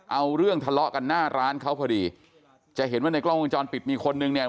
เอาเรื่องทะเลาะกันหน้าร้านเขาพอดีจะเห็นว่าในกล้องวงจรปิดมีคนนึงเนี่ย